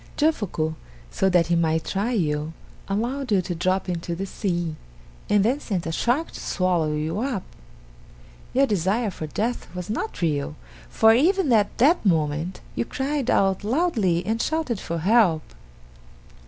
Jofuku, so that he might try you, allowed you to drop into the sea, and then sent a shark to swallow you up. Your desire for death was not real, for even at that moment you cried out loudly and shouted for help.